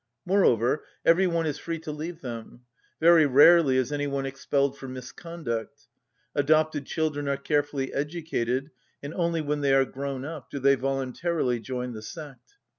Moreover, every one is free to leave them; very rarely is any one expelled for misconduct. Adopted children are carefully educated, and only when they are grown up do they voluntarily join the sect.